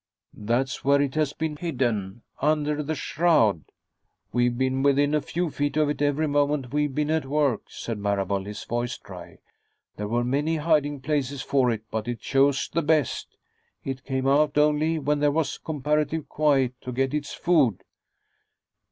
"That's where it's been hidden, under the shroud. We've been within a few feet of it every moment we've been at work," said Marable, his voice dry. "There were many hiding places for it, but it chose the best. It came out only when there was comparative quiet, to get its food...."